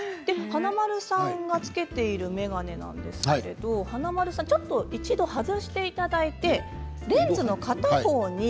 華丸さんが着けている眼鏡なんですけれど華丸さんちょっと一度外していただいてレンズの片方に。